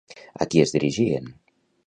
A qui es dirigien?